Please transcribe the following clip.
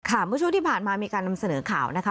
เมื่อช่วงที่ผ่านมามีการนำเสนอข่าวนะคะ